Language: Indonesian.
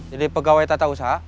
jadi pegawai tata usaha